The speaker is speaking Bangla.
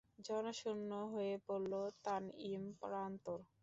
জনশূন্য হয়ে পড়ল তানঈম প্রান্তর।